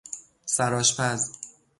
سرآشپز